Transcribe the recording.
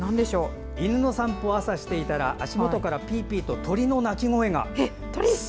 犬の散歩を朝していたら足元からピーピーと鳥の鳴き声が。